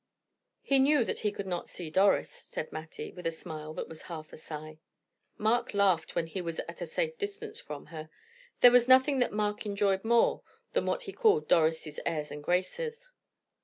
"He knew that he could not see Doris," said Mattie, with a smile that was half a sigh. Mark laughed when he was at a safe distance from her. There was nothing that Mark enjoyed more than what he called Doris' airs and graces.